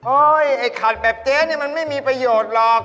ไอ้ขัดแบบเจ๊นี่มันไม่มีประโยชน์หรอก